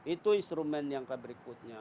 itu instrumen yang berikutnya